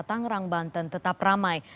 tangerang banten tetap ramai